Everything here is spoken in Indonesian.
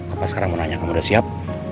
apa sekarang mau nanya kamu udah siap